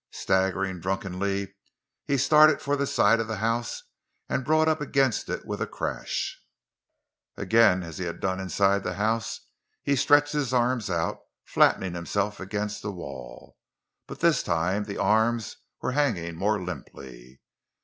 Staggering drunkenly, he started for the side of the house and brought up against it with a crash. Again, as he had done inside the house, he stretched his arms out, flattening himself against the wall, but this time the arms were hanging more limply.